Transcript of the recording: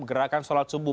gerakan sholat subuh